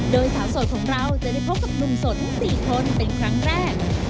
โดยสาวโสดของเราจะได้พบกับหนุ่มโสดทั้ง๔คนเป็นครั้งแรก